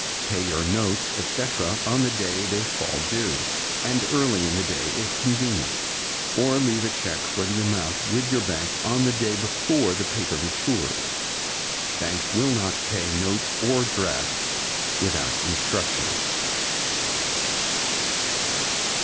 Pay your notes, etc., on the day they fall due, and early in the day if convenient, or leave a check for the amount with your bank on the day before your paper matures. Banks will not pay notes or drafts without instructions.